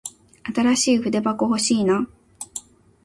新しい筆箱欲しいな。